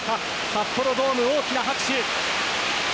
札幌ドーム、大きな拍手。